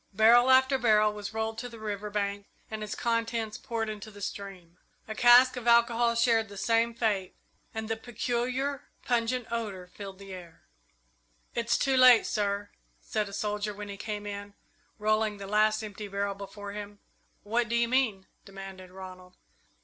Barrel after barrel was rolled to the river bank and its contents poured into the stream. A cask of alcohol shared the same fate, and the peculiar, pungent odour filled the air. "It's too late, sir," said a soldier, when he came in, rolling the last empty barrel before him. "What do you mean?" demanded Ronald.